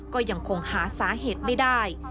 ก็ยังคงหาสาเหตุไม่ได้